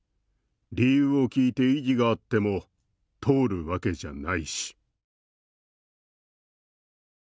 理由を聞いて異議があっても通るわけじゃないし」